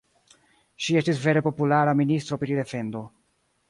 Ŝi estis vere populara ministro pri defendo.